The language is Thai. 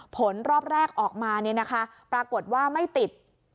ผลรอบแรกออกมาปรากฏว่าไม่ติด